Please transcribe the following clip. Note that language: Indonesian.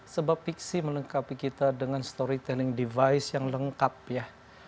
sebab fiksi melengkapi kita dengan storytelling device yang lengkap ya